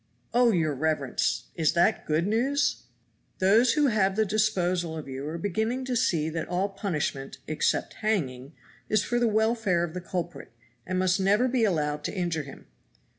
"Oh, your reverence! is that good news?" "Those who have the disposal of you are beginning to see that all punishment (except hanging) is for the welfare of the culprit, and must never be allowed to injure him.